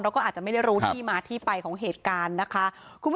ก็อาจจะไม่ได้รู้ที่มาที่ไปของเหตุการณ์นะคะ